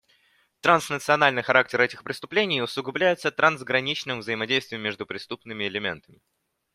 Транснациональный характер этих преступлений усугубляется трансграничным взаимодействием между преступными элементами.